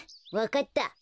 わかった。